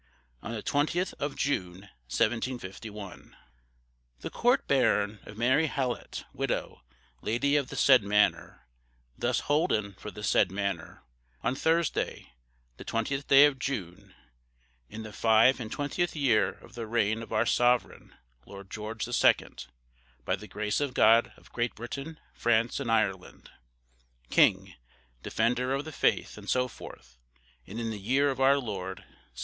On the 20th of June, 1751. Dunmow, late the Priory. The Court Baron of Mary Hallett, Widow, Lady of the said Manor, thus holden for the said Manor, on Thursday, the twentieth day of June, in the five and twentieth year of the reign of our Sovereign Lord George the Second, by the Grace of God of Great Britain, France, and Ireland, King, defender of the faith, and so forth; and in the year of our Lord, 1751.